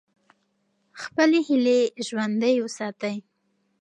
خپلې هیلې ژوندۍ وساتئ.